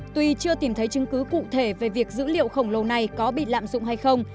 tuy chưa tìm thấy chứng cứ cụ thể về việc dữ liệu khổng lồ này có bị lạm dụng hay không